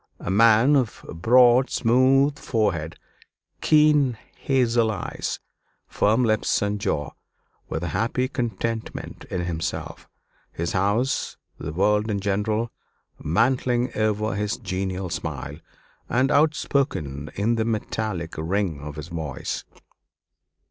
A man of broad smooth forehead, keen hazel eyes, firm lips and jaw; with a happy contentment in himself, his house, the world in general, mantling over his genial smile, and outspoken in the metallic ring of his voice.